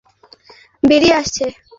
এবার প্যান্ট থেকে হিসু বেরিয়ে আসছে?